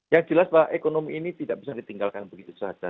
yang jelas bahwa ekonomi ini tidak bisa ditinggalkan begitu saja